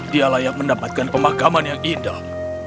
dia layak mendapatkan pemakaman yang indah